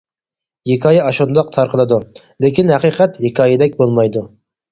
ھېكايە ئاشۇنداق تارقىلىدۇ، لېكىن ھەقىقەت ھېكايىدەك بولمايدۇ.